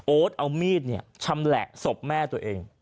โอ๊ตเอามีดชำแหละสทธิบแม่ตัวเอง